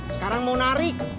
sekarang mau narik